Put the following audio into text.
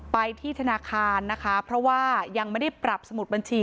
ไปที่ธนาคารนะคะเพราะว่ายังไม่ได้ปรับสมุดบัญชี